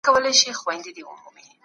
لمر د بدن مدافعت ښه کوي.